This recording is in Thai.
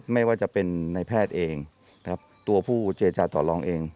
ไม่ว่าจะเป็นในแพทย์เองตัวผู้เจจาดตอรองเอง